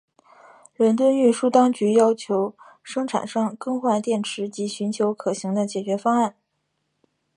伦敦运输当局要求生产商更换电池及寻求可行的解决方案。